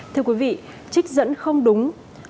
thưa quý vị trích dẫn không đúng